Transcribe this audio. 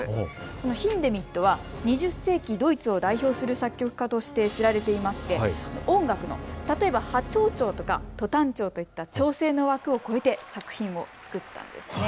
ヒンデミットは２０世紀ドイツを代表する作曲家として知られていまして音楽の例えばハ長調とかト短調といった調性の枠を超えて作品を作ったんですね。